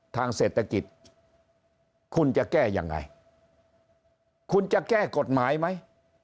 ทางเศรษฐกิจคุณจะแก้ยังไงคุณจะแก้กฎหมายไหม